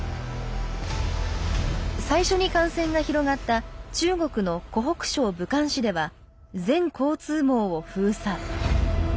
最初に感染が広がった中国の湖北省武漢市では全交通網を封鎖。